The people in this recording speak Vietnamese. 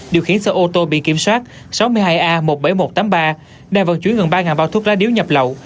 điều khiển xe ô tô bị kiểm soát sáu mươi hai a một mươi bảy nghìn một trăm tám mươi ba đang vận chuyển gần ba bao thuốc lá điếu nhập lậu